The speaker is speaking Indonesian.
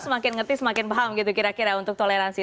semakin ngerti semakin paham gitu kira kira untuk toleransi